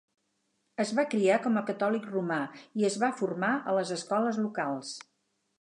Es va criar com a catòlic romà i es va formar a les escoles locals.